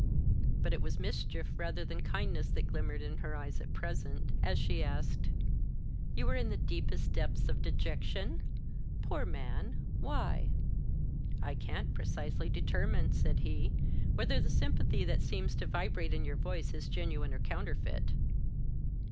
But it was mischief rather than kindness that glimmered in her eyes at present, as she asked, "You were in the deepest depths of dejection? Poor man! Why?" "I can't precisely determine," said he, "whether the sympathy that seems to vibrate in your voice is genuine or counterfeit."